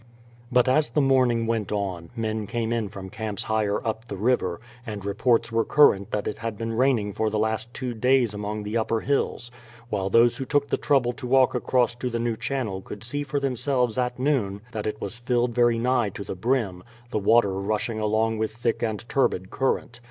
But as the morning went on, men came in from camps higher up the river, and reports were current that it had been raining for the last two days among the upper hills; while those who took the trouble to walk across to the new channel could see for themselves at noon that it was filled very nigh to the brim, the water rushing along with thick and turbid current.